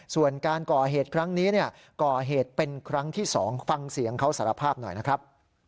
ส่วนการก่อเหตุครั้งนี้ก่อเหตุเป็นครั้งที่๒ฟังเสียงเขาสารภาพหน่อยนะครับ